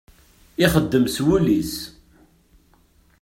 Ixeddem s wul-is.